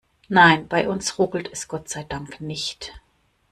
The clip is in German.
Nein, bei uns ruckelt es Gott sei Dank nicht.